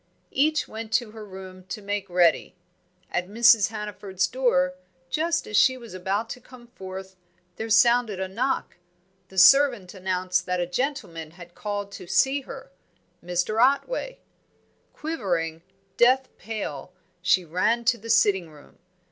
Each went to her room to make ready. At Mrs. Hannaford's door, just as she was about to come forth, there sounded a knock; the servant announced that a gentleman had called to see her Mr. Otway. Quivering, death pale, she ran to the sitting room.